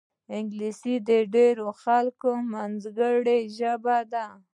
انګلیسي د ډېرو خلکو منځګړې ژبه ده